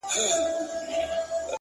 ورکه لالیه چي ته تللی يې خندا تللې ده;